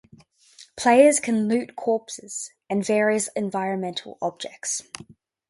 Players can loot corpses and various environmental objects.